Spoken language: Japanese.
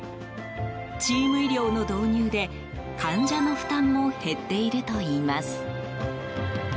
チーム医療の導入で患者の負担も減っているといいます。